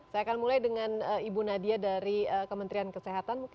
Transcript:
saya akan mulai dengan ibu nadia dari kementerian kesehatan